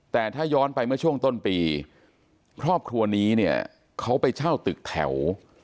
แต่ถ้าย้อนไปเมื่อช่วงต้นปีครอบครัวนี้เนี่ยเขาไปเช่าตึกแถว